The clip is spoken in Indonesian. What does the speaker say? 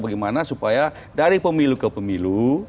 bagaimana supaya dari pemilu ke pemilu